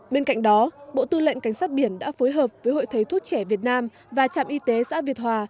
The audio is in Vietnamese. bên cạnh đó bộ tư lệnh cảnh sát biển đã phối hợp với hội thầy thuốc trẻ việt nam và trạm y tế xã việt hòa